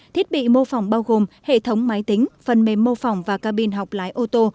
thiết bị mô phỏng bao gồm hệ thống máy tính phần mềm mô phỏng và cabin học lái ô tô